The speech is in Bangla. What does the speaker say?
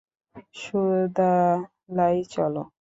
সুদালাই, চলো।